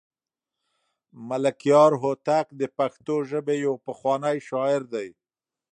ملکیار هوتک د پښتو ژبې یو پخوانی شاعر دی.